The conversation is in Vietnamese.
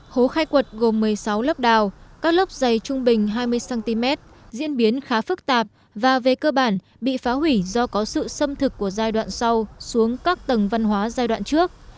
hố khai quật gồm một mươi sáu lớp đào các lớp dày trung bình hai mươi cm diễn biến khá phức tạp và về cơ bản bị phá hủy do có sự xâm thực của giai đoạn sau xuống các tầng văn hóa giai đoạn trước